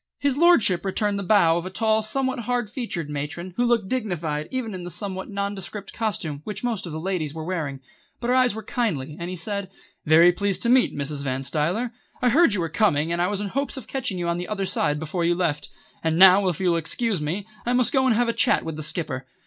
His lordship returned the bow of a tall, somewhat hard featured matron who looked dignified even in the somewhat nondescript costume which most of the ladies were wearing. But her eyes were kindly, and he said: "Very pleased to meet, Mrs. Van Stuyler. I heard you were coming, and I was in hopes of catching you on the other side before you left. And now, if you will excuse me, I must go and have a chat with the Skipper."